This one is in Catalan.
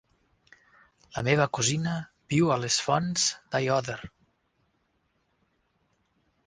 La meva cosina viu a les Fonts d'Aiòder.